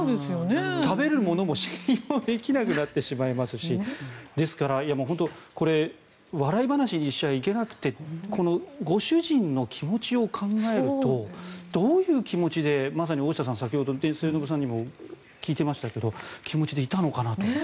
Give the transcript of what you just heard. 食べるものも信用できなくなってしまいますしですから、これ笑い話にしちゃいけなくてこのご主人の気持ちを考えるとどういう気持ちでまさに大下さんが先ほど末延さんにも聞いてましたけどどういう気持ちでいたのかなと。